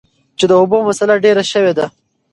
چې د اوبو مسله ډېره شوي ده ـ